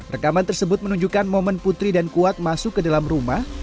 rekaman tersebut menunjukkan momen putri dan kuat masuk ke dalam rumah